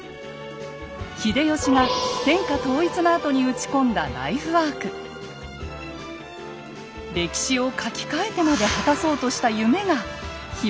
秀吉が天下統一のあとに打ち込んだ歴史を書き換えてまで果たそうとした夢が秘められていました。